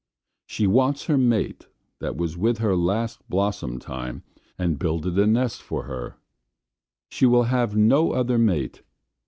She wants her mate that was with her last blossom time and builded a nest with her. She will have no other mate.